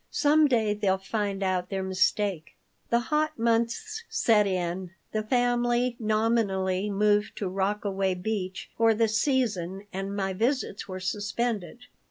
"Some day they'll find out their mistake." The hot months set in. The family nominally moved to Rockaway Beach for the season and my visits were suspended.